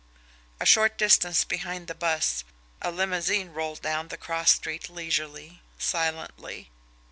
A short distance behind the bus, a limousine rolled down the cross street leisurely, silently.